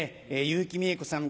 結城美栄子さん